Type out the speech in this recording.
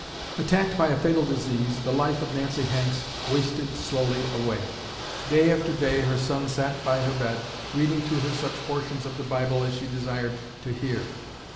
Attacked by a fatal disease, the life of Nancy Hanks wasted slowly away. Day after day her son sat by her bed reading to her such portions of the Bible as she desired to hear.